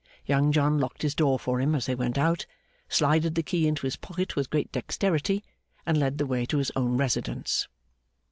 Young John locked his door for him as they went out, slided the key into his pocket with great dexterity, and led the way to his own residence.